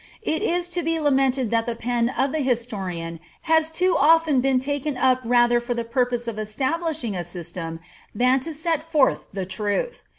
It is to be lamented that the pen of the historian has been too often taken up rather for the purpose of establishing a system than to set forth the truth.